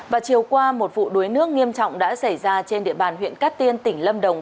và chiều qua một vụ đuối nước nghiêm trọng đã xảy ra trên địa bàn huyện cát tiên tỉnh lâm đồng